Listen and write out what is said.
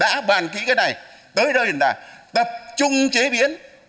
đã bàn kỹ cái này tới đây là tập trung chế biến